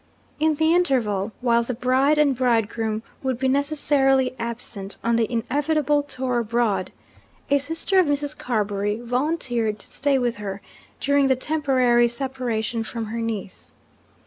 In the interval, while the bride and bridegroom would be necessarily absent on the inevitable tour abroad, a sister of Mrs. Carbury volunteered to stay with her during the temporary separation from her niece.